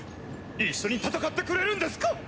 一緒に戦ってくれるんですか？